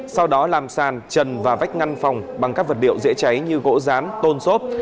sau đó làm sàn và vách ngăn phòng bằng các vật liệu dễ cháy như gỗ rán tôn xốp